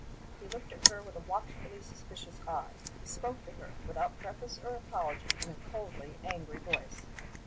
He looked at her with a watchfully suspicious eye; he spoke to her, without preface or apology, in a coldly angry voice.